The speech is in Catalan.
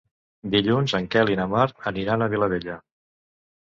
Dilluns en Quel i na Mar aniran a Vilabella.